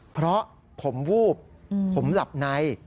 เพราะผมวูบผมหลับใน